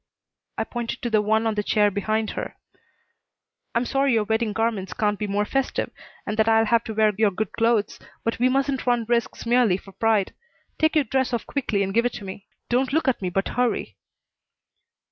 I pointed to the one on the chair behind her. "I'm sorry your wedding garments can't be more festive, and that I'll have to wear your good clothes, but we mustn't run risks merely for pride. Take your dress off quickly and give it to me. Don't look at me, but hurry."